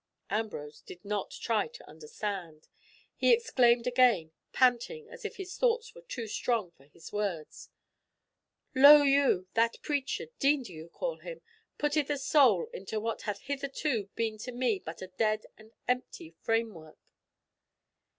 Ambrose did not try to understand. He exclaimed again, panting as if his thoughts were too strong for his words—"Lo you, that preacher—dean call ye him?—putteth a soul into what hath hitherto been to me but a dead and empty framework."